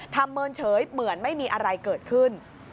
เมินเฉยเหมือนไม่มีอะไรเกิดขึ้น